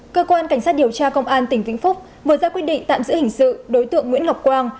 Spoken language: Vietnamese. cơ quan cảnh sát điều tra công an tỉnh vĩnh phúc vừa ra quyết định tạm giữ hình sự đối tượng nguyễn ngọc quang